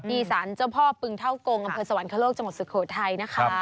อีสานเจ้าพ่อปึงเท่ากงอำเภอสวรรคโลกจังหวัดสุโขทัยนะคะ